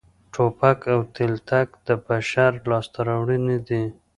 ټوپک او تلتک د بشر لاسته راوړنې دي